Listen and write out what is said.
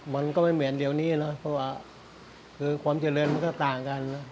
มันก็ไม่เหมือนเดี๋ยวนี้นะเพราะว่าคือความเจริญมันก็ต่างกันนะ